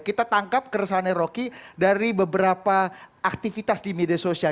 kita tangkap keresahannya rocky dari beberapa aktivitas di media sosial